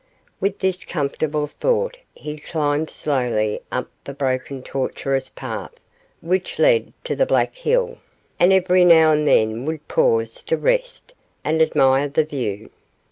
With this comfortable thought he climbed slowly up the broken tortuous path which led to the Black Hill, and every now and then would pause to rest, and admire the view.